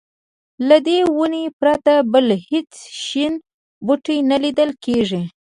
له دې ونې پرته بل هېڅ شین بوټی نه لیدل کېږي.